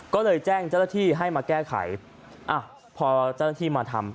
ก็เลยแจ้งเจ้าหน้าที่ให้มาแก้ไขอ่ะพอเจ้าหน้าที่มาทำ